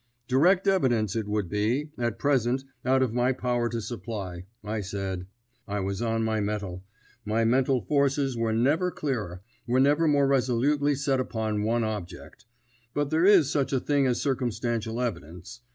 "Direct evidence it would be, at present, out of my power to supply," I said; I was on my mettle; my mental forces were never clearer, were never more resolutely set upon one object; "but there is such a thing as circumstantial evidence.